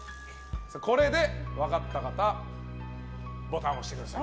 これで分かった方ボタンを押してください。